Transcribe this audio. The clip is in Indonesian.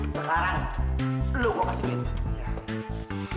sekarang lu mau kasih bintang